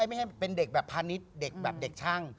ไม่ใช่เป็นเด็กแบบพาณิชย์เด็กแบบเด็กช่าง